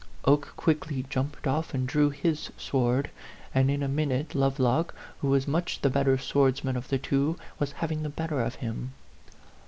Oke quickly jumped off and drew his sword; and in a minute Lovelock, who was much the better swordsman of the two, was having the bet ter of him.